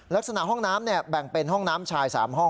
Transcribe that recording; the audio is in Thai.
ลักษณะห้องน้ำแบ่งเป็นห้องน้ำชาย๓ห้อง